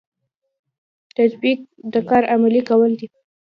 تطبیق د کار عملي کول دي